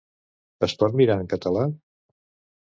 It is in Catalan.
Es pot mirar en català?